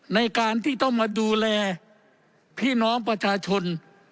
ในการที่ต้องมาดูแลพี่น้องประชาชน